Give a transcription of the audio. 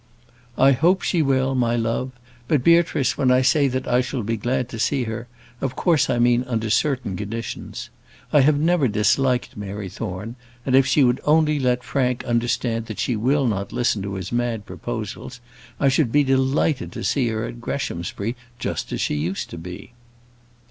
"I hope she will, my love. But, Beatrice, when I say that I shall be glad to see her, of course I mean under certain conditions. I never disliked Mary Thorne, and if she would only let Frank understand that she will not listen to his mad proposals, I should be delighted to see her at Greshamsbury just as she used to be."